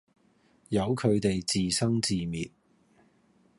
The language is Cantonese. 由佢地自生自滅